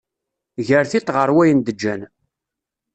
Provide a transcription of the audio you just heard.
Ger tiṭ ɣer wayen d-ǧǧan